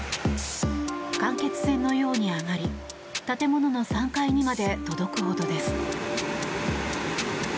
間欠泉のように上がり建物の３階にまで届くほどです。